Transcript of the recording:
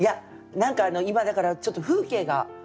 何か今だからちょっと風景が。